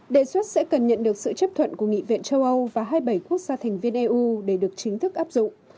đề xuất sẽ cần nhận được sự chấp thuận của nghị viện châu âu và hai mươi bảy quốc gia thành viên eu để được chính thức áp dụng